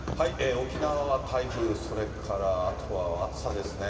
沖縄は台風、それからあとは暑さですね。